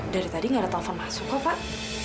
dari tadi gak ada telpon masuk kok pak